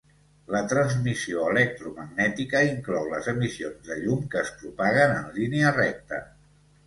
La transmissió electromagnètica inclou les emissions de llum que es propaguen en línia recta.